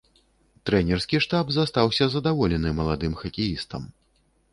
Трэнерскі штаб застаўся задаволены маладым хакеістам.